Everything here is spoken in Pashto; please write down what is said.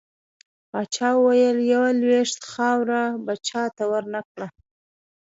پاچا وويل: يوه لوېشت خاوړه به چاته ورنه کړه .